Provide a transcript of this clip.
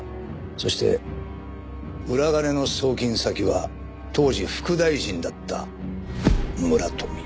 そして裏金の送金先は当時副大臣だった村富。